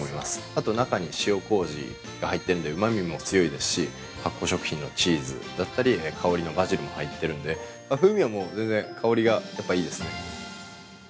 あと中に塩こうじが入ってるので、うまみも強いですし、発酵食品のチーズだったり、香りのバジルも入っているんで風味はもう全然、香りがやっぱいいですね。